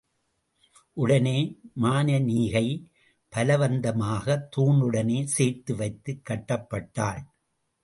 உடனே மானனீகை பலவந்தமாகத் தூணுடனே சேர்த்து வைத்துக் கட்டப்பட்டாள்.